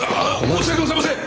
申し訳ございません！